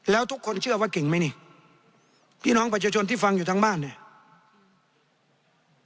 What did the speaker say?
แล้วทุกคนเชื่อว่าเก่งไหมนี่พี่น้องประชาชนที่ฟังอยู่ทั้งบ้านเนี่ย